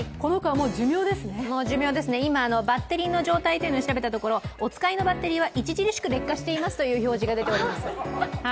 もう寿命ですね、今、バッテリーの状態というところを調べたところお使いのバッテリーは著しく劣化していますという表示が出ています。